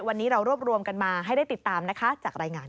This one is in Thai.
วันนี้เรารวบรวมกันมาให้ได้ติดตามนะคะจากรายงาน